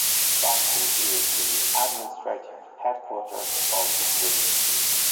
Basti is the administrative headquarters of the division.